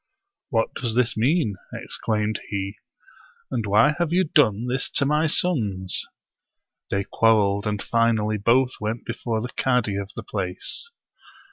" What does this mean ?" exclaimed he ;" and why have you done this to my sons?" They quarreled, and finally both went before the cadi of the place.